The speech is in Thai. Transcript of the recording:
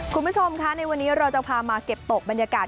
คุณผู้ชมคะในวันนี้เราจะพามาเก็บตกบรรยากาศ